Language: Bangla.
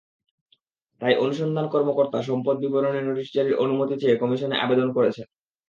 তাই অনুসন্ধান কর্মকর্তা সম্পদ বিবরণী নোটিশ জারির অনুমতি চেয়ে কমিশনে আবেদন করেছেন।